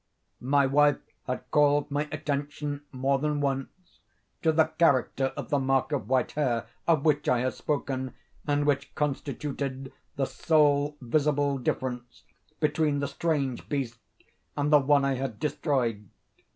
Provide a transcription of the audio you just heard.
My wife had called my attention, more than once, to the character of the mark of white hair, of which I have spoken, and which constituted the sole visible difference between the strange beast and the one I had destroyed.